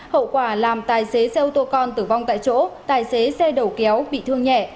hậu quả làm tài xế xe ô tô con tử vong tại chỗ tài xế xe đầu kéo bị thương nhẹ